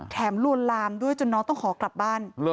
ลวนลามด้วยจนน้องต้องขอกลับบ้าน